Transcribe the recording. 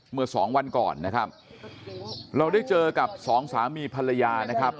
เมื่อสองวันก่อนนะครับเราได้เจอกับสองสามีภรรยานะครับ